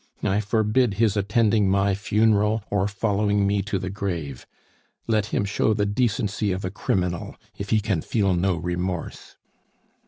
I forbid his attending my funeral or following me to the grave. Let him show the decency of a criminal if he can feel no remorse."